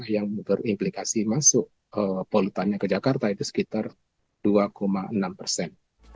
yang berimplikasi masuk polutannya ke jakarta itu sekitar dua enam persen